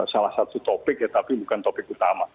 salah satu topik ya tapi bukan topik utama